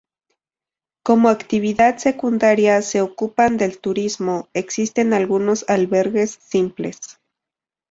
Como actividad secundaria se ocupan del turismo, existen algunos albergues simples.